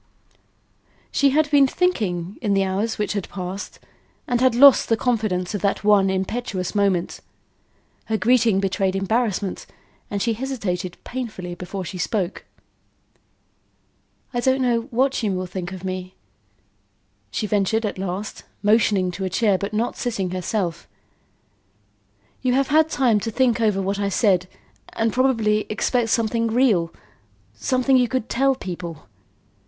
She had been thinking in the hours which had passed, and had lost the confidence of that one impetuous moment. Her greeting betrayed embarrassment and she hesitated painfully before she spoke. "I don't know what you will think of me," she ventured at last, motioning to a chair but not sitting herself. "You have had time to think over what I said and probably expect something real, something you could tell people.